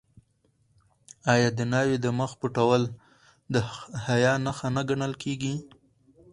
آیا د ناوې د مخ پټول د حیا نښه نه ګڼل کیږي؟